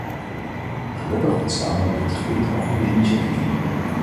Gelukkig ontstaan op dit gebied al goede initiatieven.